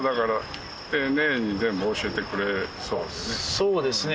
そうですね。